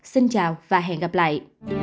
xin chào và hẹn gặp lại